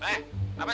masuk masuk sana